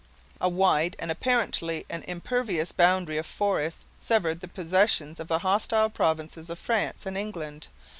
A wide and apparently an impervious boundary of forests severed the possessions of the hostile provinces of France and England.